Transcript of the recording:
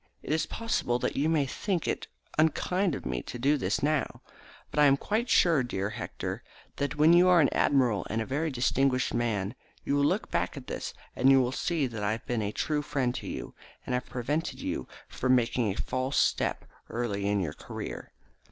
It is possible that you may think it unkind of me to do this now, but I am quite sure, dear Hector, that when you are an admiral and a very distinguished man, you will look back at this, and you will see that I have been a true friend to you, and have prevented you from making a false step early in your career.